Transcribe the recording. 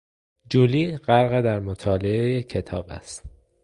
جولی غرق در مطالعهی کتاب است.